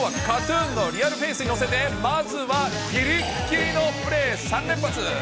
きょうはＫＡＴーＴＵＮのリアルフェースに乗せてまずはぎりぎりのプレー３連発。